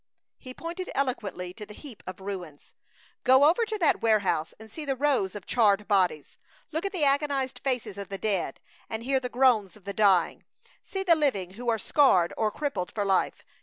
He pointed eloquently to the heap of ruins. "Go over to that warehouse and see the rows of charred bodies! Look at the agonized faces of the dead, and hear the groans of the dying. See the living who are scarred or crippled for life.